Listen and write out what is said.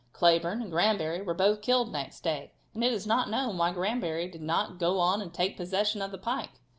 Cleburne and Granbury were both killed next day, and it is not known why Granbury did not go on and take possession of the pike.